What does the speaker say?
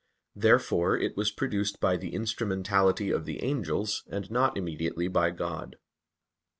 Therefore it was produced by the instrumentality of the angels, and not immediately by God.